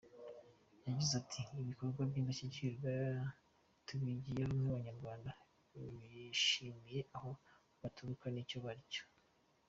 Yagize ati ‘‘Ibikorwa by’indashyikirwa tubigeraho nk’Abanyarwanda bishimiye aho baturuka n’icyo baricyo.